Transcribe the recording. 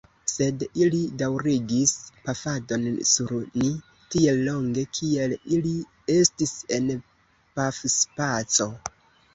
Sed, ili daŭrigis pafadon sur ni tiel longe, kiel ili estis en pafspaco.